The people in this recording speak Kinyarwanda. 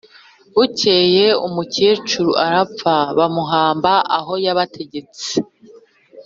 Bukeye umukecuru arapfa, bamuhamba aho yabategetse